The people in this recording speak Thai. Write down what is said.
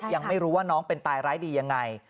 ยังไม่รู้ว่าน้องเป็นตายร้ายดียังไง